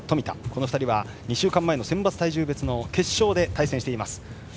この２人は２週間前の選抜体重別の決勝で対戦しています。